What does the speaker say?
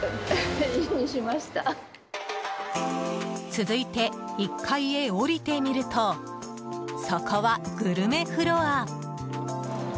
続いて、１階へ下りてみるとそこはグルメフロア。